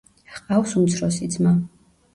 ჰყავს უმცროსი ძმა.